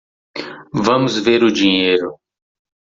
Vamos ver o dinheiro.